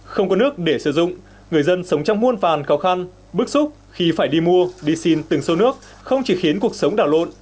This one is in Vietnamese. không có nước để sử dụng người dân sống trong muôn phàn khó khăn bức xúc khi phải đi mua đi xin từng xô nước không chỉ khiến cuộc sống đảo lộn